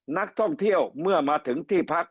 นักท่องเที่ยวเมื่อมาถึงที่พัก